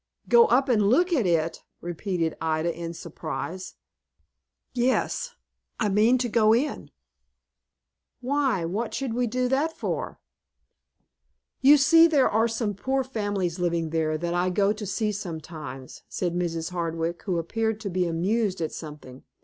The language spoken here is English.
"Go up and look at it!" repeated Ida, in surprise. "Yes, I mean to go in." "Why, what should we do that for?" "You see there are some poor families living there that I go to see sometimes," said Mrs. Hardwick, who appeared to be amused at something.